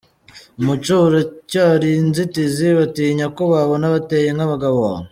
Umuco uracyari inzitizi, batinya ko babona bateye nk’abagabo.